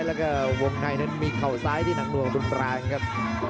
แล้วก็วงในมีเข่าซ้ายที่หนักหน่วงกับทุนแปลงครับ